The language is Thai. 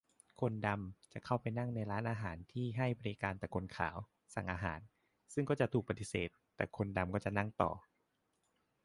คนดำจะเข้าไปนั่งในร้านอาหารที่ให้บริการแต่คนขาว สั่งอาหาร ซึ่งก็จะถูกปฏิเสธ แต่คนดำก็จะนั่งต่อ